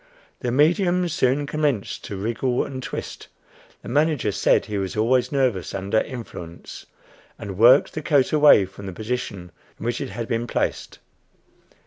The medium soon commenced to wriggle and twist the "manager" said he was always nervous under "influence" and worked the coat away from the position in which it had been placed.